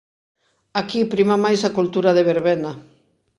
Aquí prima máis a cultura de verbena.